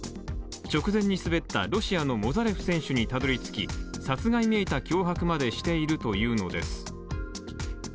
直前に滑ったロシアのモザレフ選手にたどりつき、殺害めいた脅迫までしているというのです。